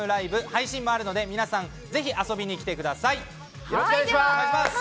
配信もあるので皆さん、ぜひ遊びに来てください。